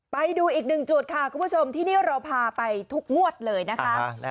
ไปดูอีกหนึ่งจุดค่ะคุณผู้ชมที่นี่เราพาไปทุกงวดเลยนะคะ